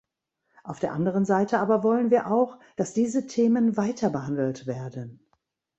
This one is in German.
Auf der anderen Seite aber wollen wir auch, dass diese Themen weiterbehandelt werden.